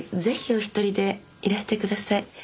ぜひお一人でいらしてください。